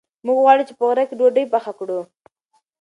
موږ غواړو چې په غره کې ډوډۍ پخه کړو.